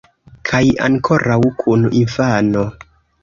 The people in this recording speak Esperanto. Kaj ankoraŭ kun infano!